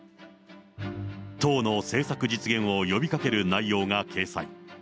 党の政策実現を呼びかける内容が掲載。